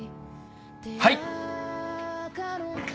はい。